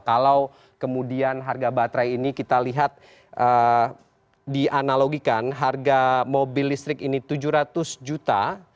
kalau kemudian harga baterai ini kita lihat dianalogikan harga mobil listrik ini tujuh ratus juta